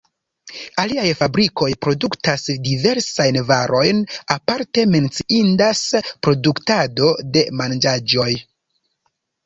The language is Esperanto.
Aliaj fabrikoj produktas diversajn varojn, aparte menciindas produktado de manĝaĵoj.